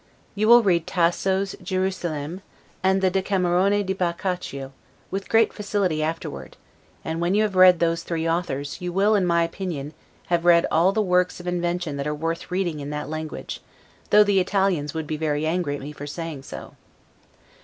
You will read Tasso's 'Gierusalemme', and the 'Decamerone di Boccacio', with great facility afterward; and when you have read those three authors, you will, in my opinion, have read all the works of invention that are worth reading in that language; though the Italians would be very angry at me for saying so.